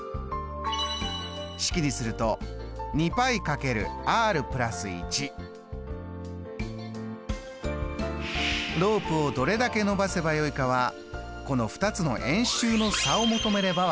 式にするとロープをどれだけ伸ばせばよいかはこの２つの円周の差を求めれば分かります。